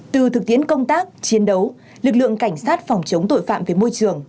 từ thực tiễn công tác chiến đấu lực lượng cảnh sát phòng chống tội phạm về môi trường